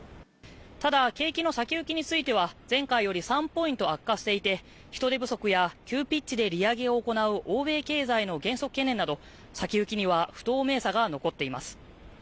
ただ景気の先行きについては、前回より３ポイント悪化していて、人手不足や急ピッチで利上げを行う欧米経済の減速懸念など先行きには不透明さが残っています。